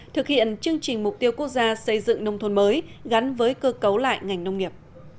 thực hiện chương trình mục tiêu quốc gia xây dựng nông thôn mới gắn với cơ cấu lại ngành nông nghiệp